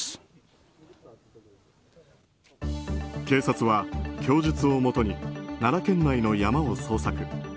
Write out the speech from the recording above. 警察は供述をもとに奈良県内の山を捜索。